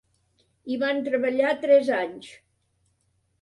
Hi van treballar tres anys.